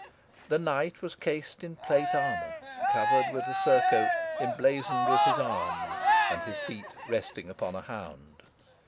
The knight was cased in plate armour, covered with a surcoat, emblazoned with his arms, and his feet resting upon a hound.